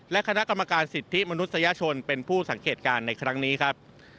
และคณะกรรมการสิทธิมนุษยชนเป็นผู้สังเกตการณ์ในครั้งนี้ครับ